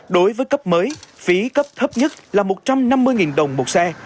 đối với cấp mới phí cấp thấp nhất là một trăm năm mươi đồng một xe